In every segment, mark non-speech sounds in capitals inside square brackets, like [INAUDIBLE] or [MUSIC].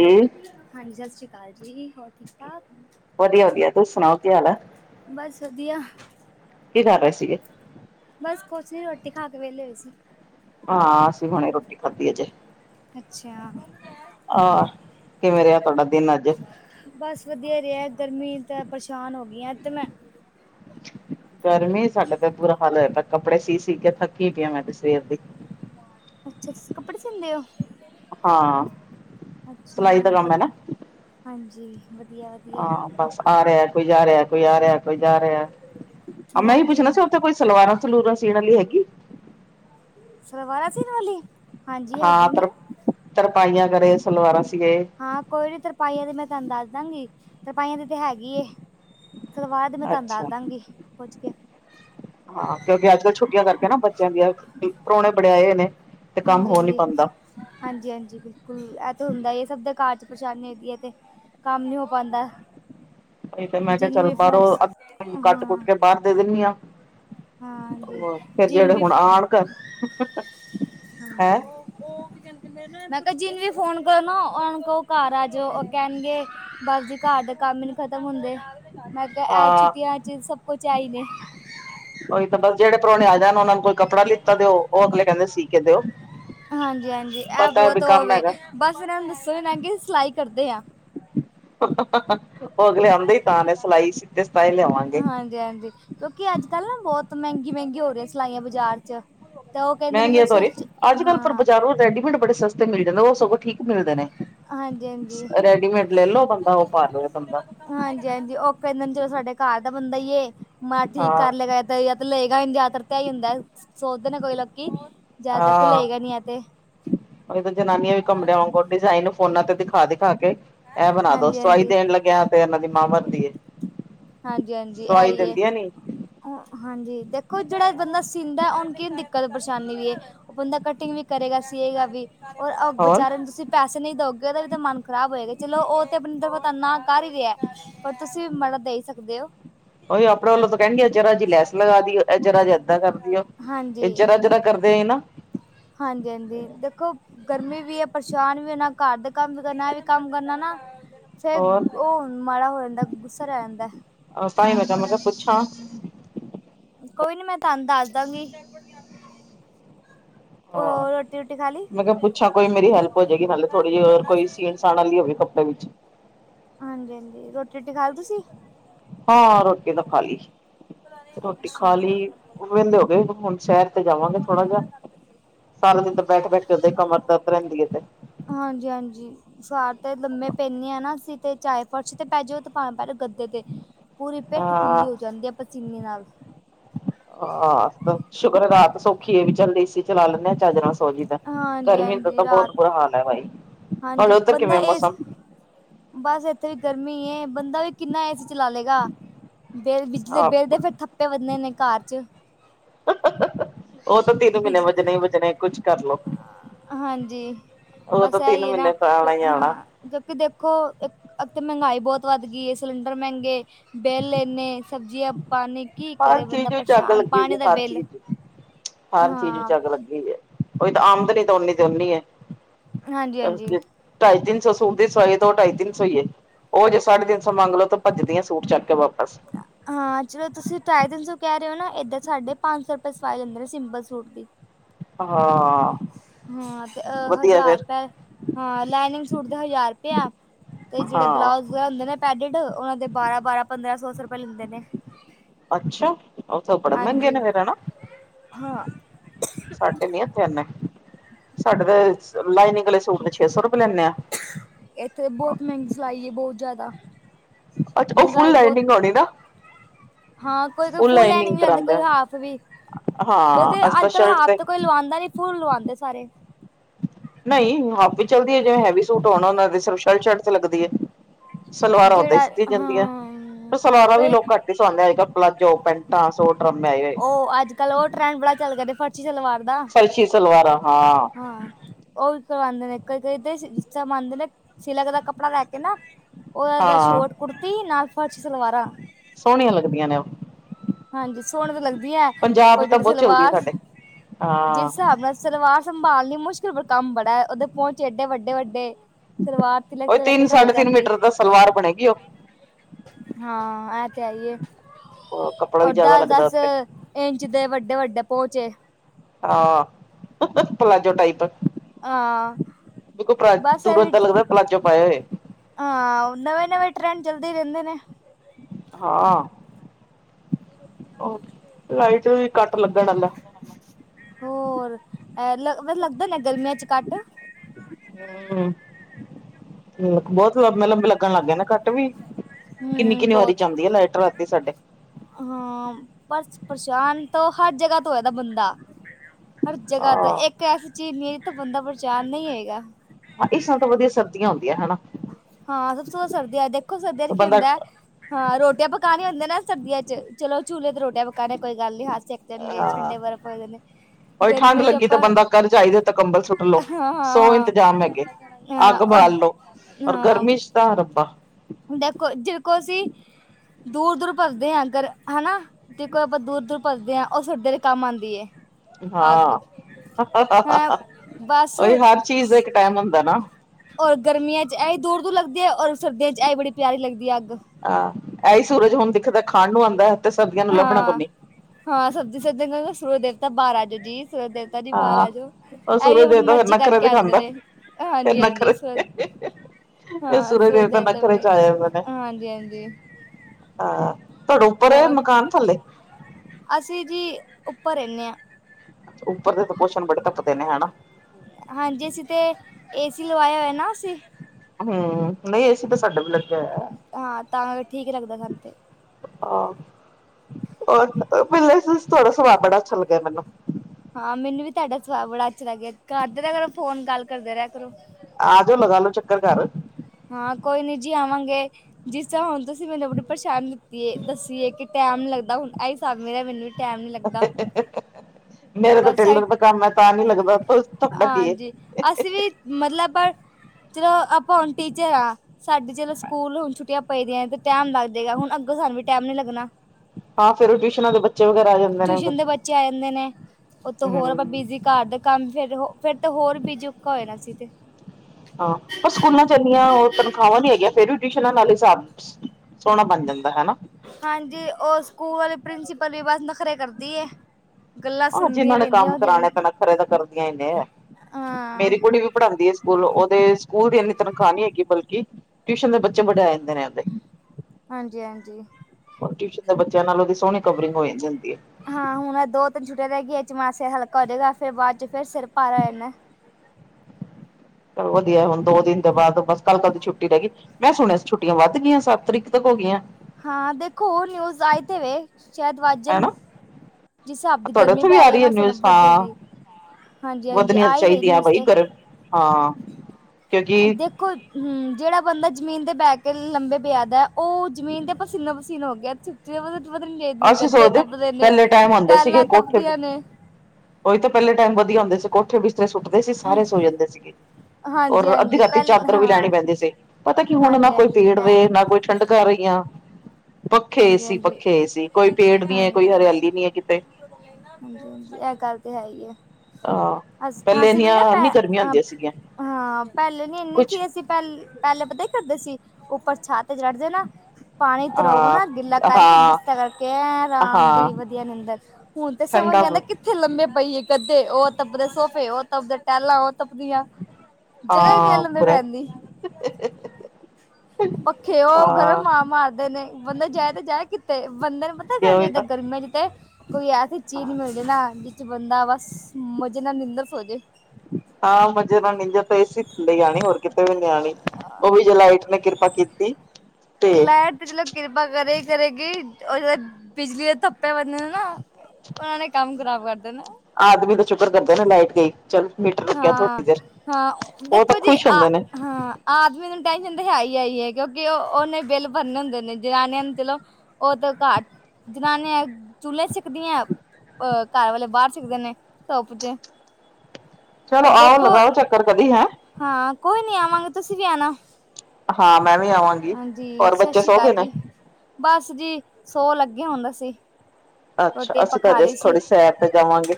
ਹਮ [UNINTELLIGIBLE] ਹਾਂਜੀ ਸਤਿ ਸ਼੍ਰੀ ਅਕਾਲ ਜੀ ਹੋਰ ਠੀਕ- ਠਾਕ ਵਧੀਆ, ਵਧੀਆ ਤੁਸੀਂ ਸੁਣਾਓ ਕੀ ਹਾਲ ਆ ਬਸ ਵਧੀਆ ਕੀ ਕਰ ਰਹੇ ਸੀਗੇ ਬਸ ਕੁਛ ਨੀ, ਰੋਟੀ ਖਾ ਕੇ ਵਿਹਲੇ ਹੋਏ ਸੀ ਹਾਂ ਅਸੀਂ ਹੁਣੇ ਰੋਟੀ ਖਾਧੀ ਅਜੇ ਅੱਛਾ ਆਹ ਕਿਵੇਂ ਰਿਹਾ ਤੁਹਾਡਾ ਦਿਨ ਅੱਜ ਬਸ ਵਧੀਆ ਰਿਹਾ ਗਰਮੀ ਤਾਂ ਪਰੇਸ਼ਾਨ ਹੋ ਗਈਆਂ ਤੇ ਮੈਂ ਗਰਮੀ ਸਾਡੇ ਤੇ ਬੁਰਾ ਹਾਲ ਹੋਇਆ ਕੱਪੜੇ ਸੀ ਸੀ ਕੇ ਥੱਕੀ ਪਿਆ ਮੈਂ ਤੇ ਸਵੇਰ ਦੀ ਅੱਛਾ, ਤੁਸੀਂ ਕੱਪੜੇ ਸੀਦੇ ਹੋ ਹਾਂ, ਸਿਲਾਈ ਅੱਛਾ ਦਾ ਕੰਮ ਵਧ ਹੈ ਨਾ ਹਾਂਜੀ ਵਧੀਆ ਵਧੀਆ ਹਾਂ ਬਸ ਆ ਰਿਹਾ ਕੋਈ ਜਾ ਰਿਹਾ ਕੋਈ ਆ ਰਿਹਾ ਕੋਈ ਜਾ ਰਿਹਾ ਮੈਂ ਹੀ ਹਾਂਜੀ ਪੁੱਛਣਾ ਸੀ ਉੱਥੇ ਕੋਈ ਸਲਵਾਂਰਾ ਸਲੂੂਵਾਰਾ ਸੀਉਣ ਵਾਲੀ ਹੈਗੀ ਸਲਵਾਰਾ ਸੀਨ ਵਾਲੀ ਹਾਂਜੀ ਹਾਂ ਹੈਗੇ ਤਰ ਨੇ ਤਰਪਾਈਆਂ ਕਰੇ, ਸਲਵਾਰਾਂ ਸੀਏ ਹਾਂ ਕੋਈ ਨੀ ਤਰਪਾਈਆਂ ਦੀ ਮੈਂ ਤੁਹਾਨੂੰ ਦੱਸ ਦਵਾਂਗੀ ਤਰਪਾਈਆਂ ਦੀ ਤਾਂ ਹੈਗੀ ਏ ਸਲਵਾਰਾ ਮੈਂ ਤੁਹਾਨੂੰ ਦੱਸ ਅੱਛਾ ਦਵਾਂਗੀ ਪੁੱਛ ਕੇ ਹਾਂ ਕਿਉਂਕਿ ਅੱਜ ਕੱਲ ਛੁੱਟੀਆਂ ਕਰਕੇ ਨਾ ਬੱਚਿਆਂ ਦੀਆਂ ਪ੍ਰਾਹੁਣੇ ਬੜੇ ਆਏ ਨੇ ਤੇ ਕੰਮ ਹਾਂਜੀ- ਹੋ ਨੀ ਹਾਂਜੀ। ਪਾਉਂਦਾ ਹਾਂਜੀ -ਹਾਂਜੀ ਬਿਲਕੁਲ ਇਹ ਤੇ ਹੁੰਦਾ ਇਹ ਸਭ ਦੇ ਘਰ ਚ ਪਰੇਸ਼ਾਨੀ ਹੈਗੀ ਹੈ ਤੇ ਕੰਮ ਨੀ ਹੋ ਪਾਉਂਦਾ ਇਹ ਤੇ ਮੈਂ ਕਿਹਾ ਜਿੰਨ ਚੱਲ ਵੀ ਫੋਨ ਬਾਹਰੋਂ ਅੱ ਕੱਟ ਹਾਂ ਕੁੱਟ ਕੇ ਬਾਹਰ ਦੇ ਦਿੰਦੀ ਆ ਹਾਂਜੀ ਉਹ ਫਿਰ ਜਿੰਨ ਜਿਹੜੇ ਵੀ ਹੁਣ ਆਉਣ ਕਰ ਹਾਂ ਉਹ ਉਹ ਵੀ ਕਹਿੰਦੇ ਨੇ ਮੈਂ ਕਿਹਾ ਜਿੰਨ ਵੀ ਫੋਨ ਕਰਨਾ ਉਹਨੂੰ ਕਹੋ ਘਰ ਆ ਜਾਓ ਕਹਿਣਗੇ ਬਸ ਜੀ ਘਰ ਦੇ ਕੰਮ ਹੀ ਨੀ ਖ਼ਤਮ ਹੁੰਦੇ, ਮੈਂ ਕਿਹਾ ਐ ਹਾਂ ਛੁੱਟੀਆਂ ਚ ਸਭ ਕੁਛ ਆਈ ਨੇ ਉਹੀ ਤਾਂ ਬਸ ਜਿਹੜੇ ਪ੍ਰਾਹੁਣੇ ਆ ਜਾਣ ਉਹਨਾਂ ਨੂੰ ਕੋਈ ਕੱਪੜਾ ਲ ਪਤਾ ਦਿਓ ਉਹ ਅਗਲੇ ਕਹਿੰਦੇ ਸੀ ਕੇ ਦਿਓ, ਹਾਂਜੀ ਹਾਂਜੀ ਇਹ ਪਤਾ ਹੈ ਵੀ ਬਹੁਤ ਕੰਮ ਹੋਵੇ ਹੈਗਾ ਬਸ ਇਹਨਾਂ ਨੂੰ ਦੱਸੋ ਇਹਨਾਂ ਕਿ ਸਿਲਾਈ ਕਰਦੇ ਆ ਉਹ ਅਗਲੇ ਆਉਂਦੇ ਹੀ ਤਾਂ ਨੇ ਸਿਲਾਈ ਸਿਤੇ ਸਿਤਾਈ ਲਿਆਵਾਂਗੇ ਹਾਂਜੀ- ਹਾਂਜੀ ਕਿਉਂਕਿ ਅੱਜ-ਕੱਲ੍ਹ ਨਾ ਬਹੁਤ ਮਹਿੰਗੀ-ਮਹਿੰਗੀ ਹੋ ਰਹੀ ਸਿਲਾਈਆਂ ਬਾਜ਼ਾਰ ਚ ਤੇ ਉਹ ਕਹਿੰਦੇ ਨੇ ਮਹਿੰਗੇ ਚਲ ਤਰੇ ਸਸਤ ਅੱਜ-ਕੱਲ ਪਰ ਹਾਂ ਬਾਜ਼ਾਰ ਰੈਡੀਮੇਡ ਬੜੇ ਸਸਤੇ ਮਿਲ ਜਾਂਦੇ ਉਹ ਸਗੋਂ ਠੀਕ ਮਿਲਦੇ ਨੇ। ਹਾਂਜੀ ਹਾਂਜੀ ਰੈਡੀਮੇਡ ਲੈ ਲੋ ਬੰਦਾ ਉਹ ਪਾ ਲਵੇ ਬੰਦਾ। ਹਾਂਜੀ- ਹਾਂਜੀ ਉਹ ਕਹਿੰਦੇ ਨੇ ਜਦੋ ਸਾਡੇ ਘਰ ਦਾ ਬੰਦਾ ਏ ਮੈ ਠੀਕ ਹਾਂ ਕਰ ਲਗਾ ਜਾਂ ਤਾਂ ਲਏਗਾ ਹੀ ਜਿਆਦਾਤਰ ਤਿਆਰ ਹੀ ਹੁੰਦਾ ਸੋਚਦੇ ਨੇ ਕੋਈ ਲੋਕ ਜਿਆਦਾਤਰ ਲਏਗਾ ਨੀ ਹੈ ਤੇ ਉਹ ਤਾਂ ਜਨਾਨੀਆਂ ਵੀ ਕਮਰਿਆਂ ਵਾਂਗ ਡਿਜ਼ਾਇਨ ਫੋਨਾ ਤੇ ਦਿਖਾ -ਦਿਖਾ ਕੇ ਇਹ ਬਣਾ ਦੋ ਹਾਂਜੀ ਸਵਾਈ ਹਾਂਜੀ ਦੇਣ ਲੱਗਿਆ ਤੇ ਇਹਨਾਂ ਦੀ ਮਾਂ ਬਣਦੀ ਏ ਹਾਂਜੀ- ਹਾਂਜੀ ਆ ਸਵਾਈ ਹੀ ਏ ਦਿੰਦੀਆਂ ਨੀ ਹਾਂਜੀ ਦੇਖੋ ਜਿਹੜਾ ਬੰਦਾ ਸੀਂਦਾ ਉਹਨੂੰ ਕੀ ਦਿੱਕਤ ਪਰੇਸ਼ਾਨੀ ਵੀ ਹੈ ਉਹ ਬੰਦਾ ਕਟਿੰਗ ਵੀ ਕਰੇਗਾ, ਸੀਏਗਾ ਵੀ ਔਰ ਹੋਰ ਵਿਚਾਰਿਆਂ ਨੂੰ ਤੁਸੀਂ ਪੈਸੇ ਨਹੀਂ ਦੋਗੇ ਉਹ ਤਾਂ ਮਨ ਖ਼ਰਾਬ ਹੋਏਗਾ ਚਲੋ ਉਹ ਤੇਿੰ ਪਤਾੰਨਾ ਕਰ ਹੀ ਰਿਹਾ ਹੈ ਪਰ ਤੁਸੀਂ ਮਾੜਾ ਦੇਈ ਸਕਦੇ ਹੋ ਓਹੀ ਆਪਣੇ ਵੱਲੋਂ ਤਾਂ ਕਹਿਣਗੇ ਜਰਾ ਜੀ ਲੈਸ ਲਗਾ ਦੀਓ ਇਹ ਜਰਾ ਜੇ ਏਦਾਂ ਕਰ ਦਿਓ। ਇਹ ਜਰਾ-ਜਰਾ ਕਰਦੇ ਨਾ ਹਾਂਜੀ-ਹਾਂਜੀ ਦੇਖੋ। ਗਰਮੀ ਵੀ ਏ ਪਰੇਸ਼ਾਨ ਵੀ ਹੋਨਾ ਘਰ ਦੇ ਕੰਮ ਵੀ ਕਰਨਾ ਇਹ ਵੀ ਕੰਮ ਕਰਨਾ ਨਾ ਫੇਰ ਹੋਰ ਉਹ ਮਾੜਾ ਹੋ ਜਾਂਦਾ ਗੁੱਸਾ ਰਹਿ ਜਾਂਦਾ। ਤਾਂ ਹੀ ਮੈਂ ਕਿਹਾ ਮੈਂ ਕਿਹਾ ਪੁੱਛਾਂ ਕੋਈ ਨੀ ਮੈਂ ਤਾਨੂੰ ਦੱਸ ਦਾਂਗੀ। ਹਾਂ ਉਰ ਰੋਟੀ-ਰੁਟੀ- ਮੈਂ ਕਿਹਾ ਪੁੱਛਾਂ ਕੋਈ ਮੇਰੀ ਹੈਲਪ ਹੋ ਜੇਗੀ ਹੇ ਥੋੜ੍ਹੀ ਜਿਹੀ ਹੋ ਕੋਈ ਸੀਣ-ਸਾਣ ਵਾਲੀ ਹੋਵੇ ਕੱਪੜੇ ਵਿੱਚ ਹਾਂਜੀ-ਹਾਂਜੀ ਰੋਟੀ-ਰੁਟੀ ਖਾ ਲੀ ਤੁਸੀਂ? ਹਾਂ ਰੋਟੀ ਤਾਂ ਖਾ ਲਈ ਰੋਟੀ ਖਾ ਅੱਛਾ ਲਈ ਵੇਲੇ ਹੋ ਗਏ ਹੁਣ ਸੈਰ ਜਾਵਾਂਗੇ ਥੋੜਾ ਜਿਹਾ ਸਾਰਾ ਦਿਨ ਤਾਂ ਬੈਠ-ਬੈਠ ਕੇ ਉਦਾ ਹੀ ਦਰਦ ਰਹਿੰਦੀ ਹੈ ਤੇ ਹਾਂਜੀ-ਹਾਂਜੀ। ਸਾਰ ਤੇ ਲੰਮੇ ਪੈਂਨੇ ਹ ਅਸੀ ਤੇ ਚਾਹਏ ਫਰਸ਼ ਤੇ ਪੈ ਜਾਓ ਤੇ ਪਾਵੇ ਪੈ ਜੋ ਗੱਦੇ ਤੇ ਪੂਰੀ ਪਿੱਠ ਗਿੱਲੀ ਹੋ ਜਾਂਦੀ ਏ ਪਸੀਨੇ ਨਾਲ ਆਹ ਸ਼ੁਕਰ ਰਾਤ ਸੌਖੀ ਏ ਵੀ ਚੱਲ ਏ ਸੀ ਚਲਾ ਲੈਂਨੇ ਹਾਂ ਚੱਜ ਨਾਲ ਸੌ ਜੀ ਦਾ ਹਾਂਜੀ ਗਰਮੀ ਦਾ ਹਾਂਜੀ ਤਾਂ ਬਹੁਤ ਰਾਤ ਬੁਰਾ ਹਾਲ ਹੈ ਬਈ। ਹਾਂਜੀ ਤੁਹਾਡੇ ਉੱਧਰ ਬੰਦਾ ਕਿਵੇਂ ਇਸ ਮੌਸਮ? ਬਸ ਇੱਥੇ ਵੀ ਗਰਮੀ ਏ ਬੰਦਾ ਵੀ ਕਿੰਨਾ ਏ ਸੀ ਚੱਲਾ ਲੇਗਾ। ਬਿੱਲ ਬਿਜਲੀ ਹਾਂ ਬਿੱਲ ਦੇ ਫਿਰ ਥੱਪੇ ਵੱਜਣੇ ਨੇ ਘਰ ਚ ਉਹ ਤਾਂ ਤੀਨ ਮਹੀਨੇ ਬਿਜ ਵੱਜਣੇ ਹੀ ਵੱਜਣੇ ਕੁਛ ਕਰਲੋ ਹਾਂਜੀ ਉਹ ਤਾਂ ਬਸ ਤਿੰਨ ਇਹੀ ਏ ਮਹੀਨੇ ਨਾ ਤਾਂ ਆਣਾ ਹੀ ਆਣਾ। ਹਾਂ ਕਿਉਂਕਿ ਦੇਖੋ ਇੱਕ ਅੱਗੇ ਮਹਿੰਗਾਈ ਬਹੁਤ ਵੱਧ ਗਈ ਏ ਸਿਲੰਡਰ ਮਹਿੰਗੇ। ਬਿੱਲ ਏਣੇ ਸਬਜ਼ੀਆਂ ਪਾਣੀ ਕੀ ਹਰ ਕਰੇ ਬੰਦਾ ਚੀਜ਼ ਵਿੱਚ ਅੱਗ ਪਰੇਸ਼ਾਨ ਲੱਗੀ ਪਾਣੀ ਹੋਈ ਦਾ ਹਰ ਬਿੱਲ ਚੀਜ਼ ਹਰ ਚੀਜ਼ ਹਾਂ ਵਿਚ ਅੱਗ ਲੱਗੀ ਹੋਈ ਐ। ਉਹੀ ਤਾਂ ਆਮਦਨੀ ਤੇ ਓਨੀ ਦਿ ਓਨੀ ਏ। ਹਾਂਜੀ ਹਾਂਜੀ ਢਾਈ ਤਿੰਨ ਸੌ ਸੂਟ ਦੀ ਸਵਾਈ ਏ ਤੇ ਉਹ ਢਾਈ ਤਿੰਨ ਸੌ ਈ ਏ। ਉਹ ਜੇ ਸਾਢੇ ਤਿੰਨ ਸੌ ਮੰਗ ਲੋ ਤਾਂ ਭੱਜਦੀ ਸੂਟ ਚੱਕ ਕੇ ਵਾਪਸ- ਹਾਂ ਚਲੋ ਤੁਸੀਂ ਢਾਈ-ਤਿੰਨ ਸੌ ਕਹਿ ਰਹੇ ਹੋ ਨਾ ਇੱਧਰ ਸਾਡੇ ਪੰਜ ਸੌ ਰੁਪਏ ਸਵਾਈ ਲੈਂਦੇ ਨੇ ਸਿੰਪਲ ਸੂਟ ਦੀ ਹਾਂ। ਹਾਂ ਤੇ ਵਧੀਆ ਹਜ਼ਾਰ ਫਿਰ ਰੁਪਏ ਹਾਂ ਲਾਈਨਿੰਗ ਸੂਟ ਦਾ ਹਜ਼ਾਰ ਰੁਪਏ ਆ। ਤੇ ਜਿਹੜੇ ਹਾਂ। ਬਲਾਉਜ ਵਗੈਰਾ ਹੁੰਦੇ ਨੇ ਪੈਡਡ ਉਹਨਾਂ ਦੇ ਬਾਰਾਂ- ਬਾਰਾਂ ਪੰਦਰਾਂ ਸੌ-ਸੌ ਰੁਪਏ ਲੈਂਦੇ ਨੇ ਅੱਛਾ ਉਹ ਤੇ ਬੜੇ ਮਹਿੰਗੇ ਹਾਂਜੀ ਨੇ ਫੇਰ ਹਣਾ। ਹਾਂ ਨ ਉੱਥੇ ਇਨੇ ਸਾਡੇ ਤੇ ਲਾਈਨਿੰਗ ਵਾਲੇ ਸੂਟ ਦੇ ਛੇ ਸੌ ਰੁਪਏ ਲੈਂਣੇ ਆ। ਇੱਥੇ ਤਾ ਬਹੁਤ ਮਹਿੰਗੀ ਸਿਲਾਈ ਏ ਬਹੁਤ ਜ਼ਿਆਦਾ। ਅੱਛਾ ਉਹ ਫੁੱਲ ਮਹਿੰਗਾਈ ਬਹੁਤ ਲਾਈਨਿੰਗ ਹੋਣੀ ਨਾ। ਹਾਂ ਕੋਈ-ਕੋਈ ਫੁੱਲ ਲਾਈਨਿੰਗ ਲਾਇੰਨਗ ਲਿਆਂਦਾ ਕਰਾਉਂਦੇ ਕੋਈ ਆ ਹਾਫ ਵੀ ਵੈਸੇ ਹਾਂ ਅਸੀ ਤਾਂ ਅੱਜ-ਕੱਲ੍ਹ ਸ਼ਰਟ ਹਾੱਫ ਤੇ ਕੋਈ ਲਵਾਉਂਦਾ ਨੀ ਫੁੱਲ ਲਵਾਉਂਦੇ ਸਾਰੇ ਨਹੀਂ ਹਾਫ ਵੀ ਚੱਲਦੀ ਹੈ ਜਿਹੜੇ ਹੈਵੀ ਸੂਟ ਹੋਣ ਉਹਨਾਂ ਦੇ ਸਿਰਫ ਸ਼ਰਟ ਸ਼ਰਟ ਤੇ ਲੱਗਦੀ ਹੈ। ਸਲਵਾਰਾਂ ਓਦਾਂ ਹੀ ਜਿਹੜਾ ਸਿੱਧੀਆਂ ਜਾਂਦੀਆਂ ਪਰ ਹਾਂ ਸਲਵਾਰਾਂ ਵੀ ਕੋਈ ਲੋਕ ਘੱਟ। ਸਵਾਉਂਦੇ ਅੱਜ ਕੱਲ ਪਲਾਜੋ ਪੈਂਟਾਂ ਸੋਟ ਡਰਮ ਹੈ [INAUDIBLE] ਉਹ ਅੱਜ ਕੱਲ ਉਹ ਟਰੈਂਡ ਬੜਾ ਚੱਲ ਗਿਆ ਦੇਖੋ। ਵਿੱਚ ਸਲਵਾਰ ਦਾ ਫਰਸੀ ਸਲਵਾਰਾਂ ਹਾਂ। ਉਹ ਵੀ ਕਰਵਾਉਂਦੇ ਨੇ ਕਈ-ਕਈ ਤੇ ਇਸ ਤਰਾਂ ਆਂਦੇ ਨੇ ਸਿਲਕ ਦਾ ਕੱਪੜਾ ਲੈ ਕੇ ਨਾ ਉਹਨਾਂ ਨਾਲ ਹਾਂ ਸੌਟ ਕੁੜਤੀ ਨਾਲ ਫਰਸ਼ ਸਲਵਾਰਾਂ। ਸੋਹਣੀਆਂ ਲੱਗਦੀਆਂ ਨੇ ਉਹ ਹਾਂਜੀ ਸੋਹਣੀ‌ ਤਾਂ ਲੱਗਦੀਆ ਪੰਜਾਬ ਪਰ ਚ ਤਾਂ ਜਿਹੜੀ ਬਹੁਤ ਚੱਲਦੀ ਹੈ ਸਲਵਾਰ ਸਾਡੇ ਜਿਸ ਹਾਂ ਹਿਸਾਬ ਨਾਲ ਸਲਵਾਰ ਸੰਭਾਲਣੀ ਮੁਸ਼ਕਿਲ ਕੰਮ ਬੜਾ ਉਹਦੇ ਪਹੁੰਚੇ ਏਡੇ ਵੱਡੇ-ਵੱਡੇ। ਉਹ ਤਿੰਨ ਸਾਢੇ ਤਿੰਨ ਮੀਟਰ ਦਾ ਸਲਵਾਰ ਬਣੇਗੀ ਉਹ ਹਾਂ ਇਹ ਤੇ਼਼ਹੈ ਹੀ ਏ। ਹਾਂ ਕੱਪੜਾ ਵੀ ਜਿਆਦਾ ਲੱਗਦਾ ਉੱਥੇ ਇੰਚ ਦੇ ਵੱਡੇ ਵੱਡੇ ਪਹੁੰਚੇ। ਹਾਂ, ਪਲਾਜੋ ਟਾਈਪ। ਹਾਂ ਦੇਖੋ, ਪਲਾ ਬਸ ਇਹ ਦੂਰੋਂ ਵੀ ਇਦਾਂ ਲੱਗਦਾ ਪਲਾਜੋ ਪਾਇਆ ਹੋਇਆ ਹਏ। ਹਾਂ ਨਵੇਂ ਨਵੇਂ ਟ੍ਰੈਂਡ ਜਲਦੀ ਰਹਿੰਦੇ ਨੇ। ਹਾਂ। ਲਾਈਟ ਦਾ ਵੀ ਕੱਟ ਲੱਗਣ ਵਾਲਾ। ਹੋਰ ਇਹ ਲੱਗਦਾ ਨਾ ਗਰਮੀਆਂ ਚ ਕੱਟ? ਹਮ ਬਹੁਤ ਲੰਬੇ ਲੰਬੇ ਲੱਗਣ ਲੱਗ ਗਏ ਨਾ ਕੱਟ ਵੀ। ਕਿੰਨੀ, ਹਮ ਕਿੰਨੀ ਵਾਰੀ ਬਹੁਤ ਜਾਂਦੀ ਹੈ ਲਾਈਟ ਰਾਤੀ ਸਾਡੇ। ਹਾਂ, ਬਸ ਪਰੇਸ਼ਾਨ ਤੋਂ ਹਰ ਜਗ੍ਹਾ ਤੋਂ ਹੋ ਜਾਂਦਾ ਬੰਦਾ। ਹਰ ਜਗ੍ਹਾ ਤੋਂ ਹਾਂ ਇੱਕ ਐਸੀ ਚੀਜ਼ ਨਹੀਂ ਹੈ ਜਿੱਥੇ ਬੰਦਾ ਪਰੇਸ਼ਾਾਨ ਨਹੀਂ ਹੋਏਗਾ। ਇਸ ਨਾਲੋਂ ਤਾਂ ਵਧੀਆ ਸਰਦੀਆਂ ਹੁੰਦੀਆਂ ਹਨਾ? ਹਾਂ ਸਭ ਤੋਂ ਸਰਦੀਆਂ ਦੇਖੋ ਸਰਦੀਆਂ ਚ ਕੀ ਬੰਦਾ ਹੁੰਦਾ। ਹਾਂ ਰੋਟੀਆਂ ਪਕਾਉਣੀਆਂ ਹੁੰਦੀਆਂ ਨਾ ਸਰਦੀਆਂ ਚਲੋ ਚੁੱਲੇ ਤੇ ਰੋਟੀਆਂ ਪਕਾਉਣੇ ਕੋਈ ਗੱਲ ਨੀ ਹੱਥ ਸੇਕਦੇ। ਹਾਂ ਉਹੀ ਠੰਡ ਗਰਮੀਆਂ ਚ ਲੱਗੀ ਤਾਂ ਆਪਾਂ ਬੰਦਾ ਘਰ ਰਜਾਈ ਦੇ ਉੱਤੇ ਕੰਬਲ ਸੁੱਟ। ਸੂਟ ਲਾਓ ਹਾਂ ਸੌ ਹਾਂ ਇੰਤਜ਼ਾਮ ਹੈਗੇ ਹਾਂ ਅੱਗ ਔਰ ਬਾਲ ਲਓ ਔਰ ਹਾਂ ਗਰਮੀ ਚ ਤਾਂ ਰੱਬਾ। ਦੇਖੋ ਜੇਦੇ ਕੋੋਲ ਅਸੀਂ ਦੂਰ ਦੂਰ ਭਜਦੇ ਹਾਂ ਗਰ ਹਨਾ। ਜਿਹਦੇ ਕੋਲੋਂ ਤੇ ਕੋਈ ਆਪਾਂ ਦੂਰ ਦੂਰ ਭੱਜਦੇ ਹਾਂ ਉਹ ਸਰਦੀਆਂ ਲਈ ਕੰਮ ਆਉਂਦੀ ਹੈ। ਹਾਂ ਹੈਂ ਬਸ ਉਹੀ ਹਰ ਚੀਜ਼ ਦਾ ਇੱਕ ਟਾਈਮ ਹੁੰਦਾ ਨਾ। ਔਰ ਗਰਮੀਆਂ ਚ ਇਹੀ ਦੂਰ ਦੂਰ ਲੱਗਦੀ ਹੈ ਔਰ ਸਰਦੀਆਂ ਚ ਇਹ ਹੀ ਬੜੀ ਪਿਆਰੀ ਲੱਦੀ ਹੈ। ਅੱਗ ਹਾਂ ਇਹ ਹੀ ਸੂਰਜ ਹੁਣ ਦਿਖਦਾ ਖਾਣ ਨੂੰ ਆਉਂਦਾ ਹੈ ਤੇ ਸਰਦੀਆਂ ਨੂੰ ਲੱਭਣਾ ਹਾਂ। ਕੋਨੀ ਹਾਂ ਸਰਦੀ ਸਰਦੀ ਸੂਰਜ ਦੇਵਤਾ ਬਹਾਰ ਆ ਜਾਂਦੇ ਜੀ ਸੂਰਜ ਦੇਵਤਾ ਜੀ ਬਾਹਰ ਹਾਂ ਆ ਜਾਓ। ਉਹ ਇਹ ਵੀ ਸੂਰਜ ਆਪਣੀ ਦੇਵਤਾ ਫਿਰ ਮਰਜੀ ਨਖਰੇ ਕਰਕੇ ਆਉਂਦੇ ਦਿਖਾਉਂਦਾ ਨੇ ਫਿਰ ਹਾਂਜੀ ਹਾਂਜੀ। ਨਖਰੇ ਇਹ ਹਾਂ ਸੂਰਜ ਦੇਵਤਾ ਨਖਰੇ ਵੀ ਚ ਆ ਜਾਂਦੇ ਨੇ ਹਾਂਜੀ ਹਾਂਜੀ। ਹਾਂ ਤੁਹਾਡਾ ਉੱਪਰ ਮਕਾਨ ਕੇ ਥੱਲੇ? ਅਸੀਂ ਜੀ ਉੱਪਰ ਰਹਿੰਦੇ ਹਾਂ। ਉੱਪਰ ਦੇ ਪੋਸ਼ਣ ਬੜੇ ਤੱਪਦੇ ਨੇ ਹਨਾ? ਹਾਂਜੀ ਅਸੀਂ ਤੇ ਏ ਸੀ ਲਵਾਏ ਹੋਏ ਨਾ ਅਸੀਂ। ਹਮ ਨਹੀਂ ਏ ਸੀ ਤੇ ਸਾਡੇ ਵੀ ਲੱਗਿਆ ਹੋਇਆ। ਹਾਂ, ਤਾਂ ਠੀਕ ਰਹਿੰਦਾ ਖਾਂਣ ਤੇ। [UNINTELLIGIBLE] ਔਰ ਮਿਲ ਰਹੇ ਸੀ ਤੁਹਾਡਾ ਸੁਭਾਅ ਬਹੁਤ ਅੱਛਾ ਲੱਗਾ ਮੈਨੂੰ। ਹਾਂ ਮੈਨੂੰ ਵੀ ਤੁਹਾਡਾ ਸੁਭਾਅ ਬਹੁਤ ਅੱਛਾ ਲੱਗਿਆ ਕਰਦੇ ਰਿਹਾ ਕਰੋ ਫੋਨ ਗੱਲ ਕਰਦੇ ਰਿਹਾ ਕਰੋ। ਆ ਜਾਓ, ਲਗਾ ਲਓ, ਚੱਕਰ ਘਰ। ਹਾਂ ਕੋਈ ਨਹੀਂ ਜੀ ਆਵਾਂਗੇ। ਜਿਸ ਤ੍ਹਰਾ ਹੁਣ। ਤੁਸੀਂ ਮੈਨੂੰ ਆਪਣੀ ਪਰੇਛਾਨ। ਦਿੱਤੀ। ਹੈ। ਦੱਸੀਏ ਕਿ ਟੈਮ ਲਗਦਾ। ਹੁਣ ਇਹ ਹਿਸਾਬ ਮੇਰਾ ਮੈਨੂੰ। ਟੈਮ ਨੀ ਲੱਗਦਾ ਮੇਰੇ ਤਾਂ ਬਸ ਸਾਡ ਟੇਲਰ ਦਾ ਕੰਮ ਹੈ। ਤਾਂ ਨਹੀਂ ਲੱਗਦਾ ਤੁਹਾਡਾ ਕੀ ਹੈ। ਹਾਂਜੀ ਅਸੀਂ ਵੀ ਮਤਲਬ ਚਲੋ। ਆਪਾਂ ਹਣ ਟੀਚਰ ਹਾਂ। ਸਾਡੇ ਚਲੋ ਸਕੂਲ ਹੁਣ ਛੁੱਟੀ ਆਪਾਂ ਦੇ ਆ ਤੇ ਟਾਈਮ ਲੱਗ ਜਾਏਗਾ ਹੁਣ ਅੱਗੇ ਸਾਨੂੰ ਵੀ ਟਾਈਮ ਨਹੀਂ ਲੱਗਣਾ ਹਾਂ ਫਿਰ ਟਿਊਸ਼ਨਾਂ ਦੇ ਵਗੈਰਾ ਆ ਜਾਂਦੇ ਨੇ ਟਿਊਸ਼ਨ ਦੇ ਬੱਚੇ ਆ ਜਾਂਦੇ ਨੇ। ਉਹ ਤੋਂ ਹੋਰ ਆਪਾਂ ਹਮ ਬਿਜੀ ਘਰ ਦਾ ਕੰਮ ਫਿਰ ਫਿਰ ਤਾਂ ਹੋਰ ਬਿਜੀ ਪੱਕਾ ਹੋ ਜਾਣਾ ਸੀ ਤੇ। ਹਾਂ ਪਰ ਸਕੂਲਾਂ ਇਨੀਆਂ ਉਹ ਤਨਖਾਹਾਂ ਨਹੀਂ ਹੈਗੀਆਂ ਫੇਰ ਵੀ ਟਿਊਸ਼ਨਾਂ ਨਾਲ ਹਿਸਾਬ। ਸੋਹਣਾ ਬਣ ਜਾਂਦਾ ਹਨਾ। ਹਾਂਜੀ ਉਹ ਸਕੂਲ ਵਾਲੀ ਪ੍ਰਿੰਸੀਪਲ ਵੀ ਬਸ ਨਖਰੇ ਕਰਦੀ ਏ। ਗੱਲਾਂ ਆ ਸੁਣਨੀਆਂ ਜਿਹਨਾਂ ਨੇ ਕੰਮ ਪੈਂਦੀਆਂ ਉਹਦੇ ਵੀ ਕਰਾਣੇ ਤਾਂ ਨਖਰੇ ਤਾਂ ਕਰਦੀਆਂ ਹੀ ਨੇ ਹਾਂ ਮੇਰੀ ਕੁੜੀ ਵੀ ਪੜ੍ਹਾਉਦੀ ਹੈ ਸਕੂਲ਼। ਸਕੂਲ ਉਹਦੇ ਸਕੂਲ ਦੀ ਇੰਨੀ ਤਨਖਾਹ ਨਹੀਂ ਹੈਗੀ ਬਲਕਿ ਟਿਊਸ਼ਨ ਦੇ ਬੱਚੇ ਬੜੇ ਆ ਜਾਂਦੇ ਨੇ ਉਹਦੇ। ਹਾਂਜੀ ਹਾਂਜੀ। ਟਿਊਸ਼ਨ ਦੇ ਬੱਚਿਆਂ ਨਾਲ ਉਹਦੀ ਸੋਹਣੀ ਕਵਰਿੰਗ ਹੋ ਜਾਂਦੀ ਹੈ। ਹਾਂ ਹੁਣ ਇਹ ਦੋ ਤਿੰਨ ਛੁੱਟੀਆਂ ਰਹਿ ਗਈਆਂ ਇਹਦੇ ਵਿੱਚ ਮਾਸਾ ਸਿਰ ਹਲਕਾ ਹੋ ਜਾਏਗਾ ਫੇਰ ਬਾਅਦ ਚ ਫਿਰ ਸਿਰ ਭਾਰਾ ਹੋ ਜਾਣਾ। ਚੱਲ ਵਧੀਆ, ਹੁਣ ਦੋ ਦਿਨ ਦੇ ਬਾਅਦ ਬਸ ਕੱਲ ਕੱਲ ਦੀ ਛੁੱਟੀ ਰਹਿ ਗਈ। ਮੈਂ। ਸੁਣਿਆ ਛੁੱਟੀਆਂ ਵੱਧ ਗਈਆਂ ਸੱਤ ਤਰੀਕ ਤੱਕ ਹੋ ਗਈਆਂ। ਹਾਂ। ਦੇਖੋ ਨਿਊਜ਼ ਆਏ ਤੇ ਵ ਸ਼ਾਇਦ ਵਾਜਨ। ਹਨਾ ਜਿਸ ਹਿਸਾਬ ਦੀ ਤੁਹਾਡੇ ਗਰਮੀ ਉੱਥੇ ਵੀ ਪੈ ਆ ਰਹੀ ਹੈ ਉਸ ਹਿਸਾਬ ਨਾਲ ਨਿਊਜ਼ ਹਾਂ ਵਧੇਗੀ। ਹਾਂਜੀ ਹਾਂਜੀ ਵਧਣੀਆਂ ਆ ਹੀ ਗਈ ਚਾਹੀਦੀਆਂ ਨਿਊਜ਼ ਬਈ ਤੇ। ਗਰਮ ਹਾਂ। ਕਿਉਂਕਿ ਦੇਖੋ ਜਿਹੜਾ ਬੰਦਾ ਜਮੀਨ ਤੇ ਥੱਲੇ ਲੰਮੇ ਪਿਆ ਦਾ ਉਹ ਜਮੀਨ ਦੇ ਆਪਾਂ ਸ ਕਿੰਨੇ ਦਿਨ ਹੋ ਗਏ ਅਸੀਂ ਗੱਦੇ ਸੋਚਦੇ ਤਪਦੇ ਨੇ ਪਹਿਲੇ ਟਾਈਮ ਹੁੰਦੇ ਸੀਗੇ ਟੈਲੈਂਟ ਤਪਦੀਆਂ ਕੋਠੇ ਪਈਆਂ ਨੇ ਉਹੀ ਤੋਂ ਪਹਿਲੇ ਟਾਈਮ ਵਧੀਆ ਹੁੰਦੇ ਸੀ ਕੋਠੇ ਵਿੱਚ ਤੇ ਸੁੱਟਦੇ ਸੀ ਸਾਰੇ ਸੋ ਜਾਂਦੇ ਸੀਗੇ ਹਾਂਜੀ ਔਰ ਅੱਧੀ ਹਾਂਜੀ ਰਾਤੀ ਪਹਿਲ ਚਾਦਰ ਵੀ ਹਾਂ ਲੈਣੀ ਪੈਂਦੀ ਸੀ ਪਤਾ ਕੀ ਹੁਣ ਨਾ ਹਾਂਜੀ ਕੋਈ ਹਾਂਜੀ ਪੇਡ ਐ ਵੇ ਨਾ ਕੋਈ। ਠੰਡ ਕਰ ਰਹੀ ਆਂ ਪੱਖੇ ਹਾਂਜੀ ਸੀ ਹਾਂਜੀ ਪੱਖੇ ਸੀ। ਕੋਈ ਪੇੜ ਨਹੀਂ ਹ ਹਾਂਜੀ ਕੋਈ ਹਾਂਜੀ ਹਰਿਆਲੀ ਨਹੀਂ ਹੈ ਕਿਤੇ। ਇਹ ਗਲ ਤਾਂ ਹੈ ਹੀ ਹ ਅਹ ਅ। ਪਹਿਲੇ ਅਸੀਂ। ਵੀ ਨਾ ਇੰਨੀਆਂ ਪੈ ਨਹੀਂ ਗਰਮੀਆਂ ਹਾਂ ਹੁੰਦੀਆਂ ਸੀਗੀਆਂ ਪਹਿਲੇ ਨੀ ਇੰਨੀ ਕੁਛ ਸੀ ਅਸੀਂ। ਪਹਿ ਪਹਿਲੇ ਪਤਾ ਹੀ ਕਰਦੇ ਸੀ ਉੱਪਰ ਛਾ ਤੇ ਚੜ ਜਾ ਨਾ ਪਾਣੀ ਤਰੋਕ। ਹਾਂ ਉਹਨਾਂ ਗਿੱਲਾ ਕਰਕੇ ਹਾਂ ਬਿਸਤਰ ਕਰਕੇ ਰਾਮ ਹਾਂ ਨਾਲ ਵਧੀਆ ਨਿੰਦਰ ਹੁਣ ਤਾਂ ਸਮਾਂ ਠੰਡਾ ਨਹੀਂ ਆਉਂਦਾ। ਕਿੱਥੇ ਲੰਮੇ ਪਈਏ ਗੱਦੇ ਉਹ ਤਪਦੇ ਸੋਫੇ ਉਹ ਤਪਦੇ ਟੈਲਾਂ ਉਹ ਤਪਦੀਆਂ। ਜਗਹਾ ਹੀ ਹੈ ਨਹੀਂ ਹਾਂ ਲੰਮੇ ਪੂਰਾ ਪੈਣ ਦੀ। ਪੱਖੇ। ਉਹ ਹਾਂ ਗਰਮ ਮਾਰਦੇ ਨੇ। ਬੰਦਾ ਜਾਏ ਤਾਂ ਜਾ ਕਿੱਥੇ ਬੰਦੇ ਪਤਾ ਕਿ ਹੋਈ ਸਾਨੂੰ ਤਾਂ ਗਰਮੀ ਤੇ। ਕੋਈ ਐਸੀ ਹਾਂ ਚੀਜ਼ ਮਿਲ ਜਾ ਨਾ ਜਿਸ ਬੰਦਾ ਬਸ ਮਜ਼ੇ ਨਾਲ ਨਿੰਦਰ ਸੌ ਜੇ। ਮੈਂ ਆਪ ਥੱਲੇ ਲੰਮੇ ਪਈ ਸੀਗੀ। ਕਿਥੇ ਵੀ ਨਹੀਂ ਆ ਰਹੀ ਉਹ ਵੀ ਜੇ ਲਾਈਟ ਨੇ ਕਿਰਪਾ ਕੀਤੀ। ਲਾਈਟ ਤੇ ਚਲੋ ਕਿਰਪਾ ਕਰੇ ਹੀ ਕਰੇਗੀ ਉਹ ਜ ਬਿਜਲੀ ਦੇ ਧੱਪੇ ਲੱਗਣੇ ਨਾ। ਉਹਨਾਂ ਨੇ ਕੰਮ ਖਰਾਬ ਕਰ ਦੇਣਾ। ਆਦਮੀ ਤਾਂ ਸ਼ੁਕਰ ਕਰਦੇ ਨੇ ਕੀ ਲਾਈਟ ਗਈ। ਜਨਮੀਟਰ ਹਾਂ ਹਾਂ ਦੇਖੋ ਜੀ ਖੁਸ਼ ਹੁੰਦੇ ਨੇ। ਆਦਮੀ ਨੂੰ ਟੈਨਸ਼ਨ ਤਾਂ ਹੈ ਹੀ ਹੈ ਹੀ ਹੈ ਕਿਉਂਕਿ ਉਹ ਉਹਨੇ ਬਿੱਲ ਭਰਨੇ ਹੁੰਦੇ ਨੇ ਜਨਾਨੀਆਂ ਨੂੰ ਚਲੋ। ਉਹ ਤੋਂ ਘੱਟ ਜਨਾਨੇ ਚੂਲੇ ਸੇਕ ਦੀਆਂ। ਘਰ ਵਾਲੇ ਬਾਹਰ ਸਿੱਕਦੇ ਨੇ ਧੁੱਪ ਵਿੱਚ। ਚਲੋ ਆਓ ਲਗਾਓ ਚੱਕਰ ਕਦੀ ਹੈਂ। ਹਾਂ ਆਵਾਂਗੇ ਤੁਸੀਂ ਵੀ ਆਣਾ। ਹਾਂ ਮੈਂ ਵੀ ਆਵਾਂਗੀ ਹਾਂਜੀ ਹੋਰ ਸਤਿ ਬੱਚੇ ਸ੍ਰੀ ਸੋ ਗਏ ਅਕਾਲ ਨੇ। ਜੀ ਬਸ ਜੀ ਸੌਣ ਲੱਗੇ ਹੁਣ ਅਸੀ ਅੱਛਾ ਅਸੀਂ ਤਾਂ ਹਾਲੇ ਥੋੜੀ ਸੈਰ ਤੇ ਜਾਵਾਂਗੇ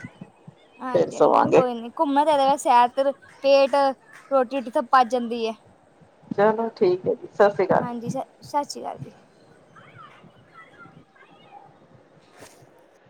ਫੇਰ ਹਾਂਜੀ ਹਾਂਜੀ ਸੋਵਾਂਗੇ ਕੋਈ ਨੀ ਘੁੰਮਣ ਫਿਰਨ ਸੈਰ ਕਰਨ ਨਾਲ ਰੋਟੀ ਪਚ ਜਾਂਦੀ ਹੈ ਚਲੋ ਠੀਕ ਹੈ ਜੀ ਸਤਿ ਸ੍ਰੀ ਅਕਾਲ ਹਾਂਜੀ ਜੀ ਸ ਸਤਿ ਸ਼੍ਰੀ ਅਕਾਲ ਜੀ